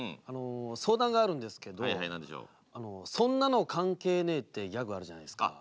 相談があるんですけどそんなの関係ねえってギャグあるじゃないですか。